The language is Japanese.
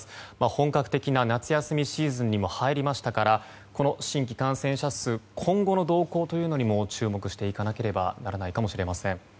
本格的な夏休みシーズンにも入りましたからこの新規感染者数今後の動向にも注目していかなくてはならないかもしれません。